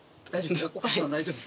大丈夫？